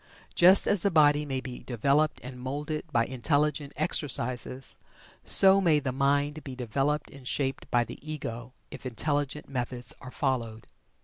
Just as the body may be developed and moulded by intelligent exercises, so may the mind be developed and shaped by the Ego if intelligent methods are followed.